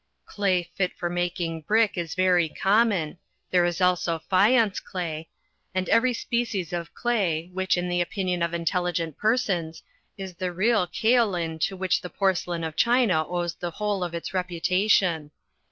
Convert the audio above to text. (Clay fit for making brick is very common: there is also Fayance clay, and every species of clay, which, in the opinion of intelli gent persons, is the real koaolin to which the porcelain of China owes the whole of its reputation.